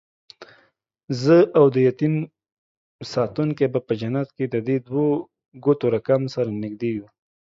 زه اودیتیم ساتونکی به په جنت کې ددې دوو ګوتو رکم، سره نږدې یو